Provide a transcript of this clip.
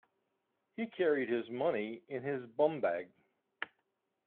He carried his money in his bumbag